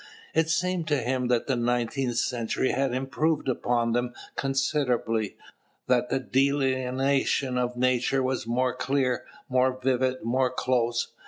It seemed to him that the nineteenth century had improved upon them considerably, that the delineation of nature was more clear, more vivid, more close.